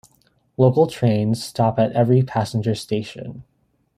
Local trains stop at every passenger station.